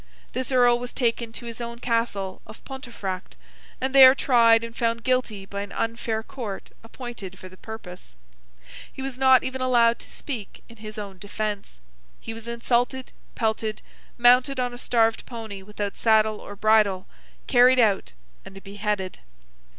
This Earl was taken to his own castle of Pontefract, and there tried and found guilty by an unfair court appointed for the purpose; he was not even allowed to speak in his own defence. He was insulted, pelted, mounted on a starved pony without saddle or bridle, carried out, and beheaded.